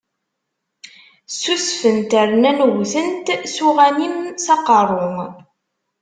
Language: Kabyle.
Ssusfen-t, rnan wwten-t s uɣanim s aqerru.